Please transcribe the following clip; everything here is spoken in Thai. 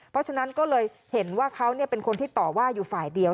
เพราะฉะนั้นก็เลยเห็นว่าเขาเป็นคนที่ต่อว่าอยู่ฝ่ายเดียว